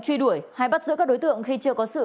truy đuổi hay bắt giữ các đối tượng khi chưa có sự